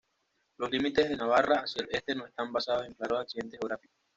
Los límites con Navarra hacia el este no están basados en claros accidentes geográficos.